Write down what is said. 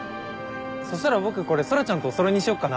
そしたら僕これ空ちゃんとおそろいにしようかな。